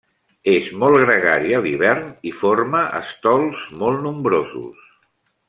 És molt gregari a l'hivern i forma estols molt nombrosos.